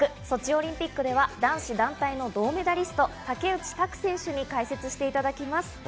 ソチオリンピックでは男子団体の銅メダリスト・竹内択選手に解説していただきます。